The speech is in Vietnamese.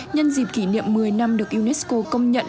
nhân dịp kỷ niệm một mươi năm được unesco công nhận